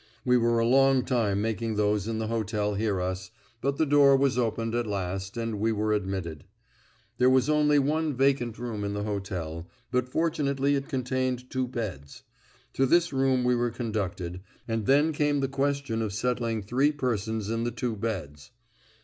We were a long time making those in the hotel hear us, but the door was opened at last, and we were admitted. There was only one vacant room in the hotel, but fortunately it contained two beds. To this room we were conducted, and then came the question of settling three persons in the two beds.